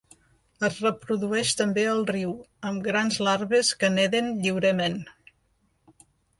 Es reprodueix també al riu, amb grans larves que neden lliurement.